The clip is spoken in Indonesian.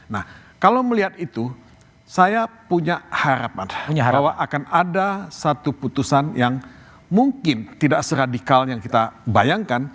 nah kalau melihat itu saya punya harapan bahwa akan ada satu putusan yang mungkin tidak seradikal yang kita bayangkan